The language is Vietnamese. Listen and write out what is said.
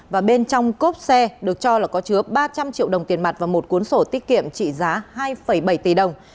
và bên trong cốp xe được cho là có chứa ba trăm linh triệu đồng tiền mặt và một cuốn sổ tiết kiệm trị giá hai bảy tỷ đồng